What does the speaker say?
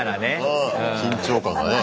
うん緊張感がね